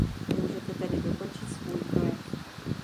Můžete tedy dokončit svůj projev.